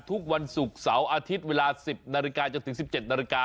ทุกวันศุกร์เสาร์อาทิตย์เวลา๑๐นาฬิกาจนถึง๑๗นาฬิกา